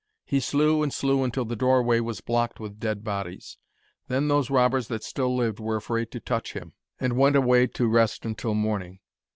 He slew and slew until the doorway was blocked with dead bodies. Then those robbers that still lived were afraid to touch him, and went away to rest until morning.